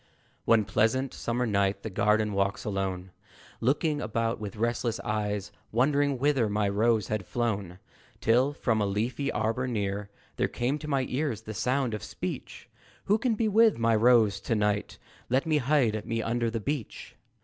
One pleasant summer night, the garden walks alone, Looking about with restless eyes, Wondering whither my Rose had flown, Till, from a leafy arbor near, There came to my ears the sound of speech. Who can be with Rose to night? Let me hide me under the beach.